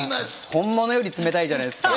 本物より冷たいじゃないですか。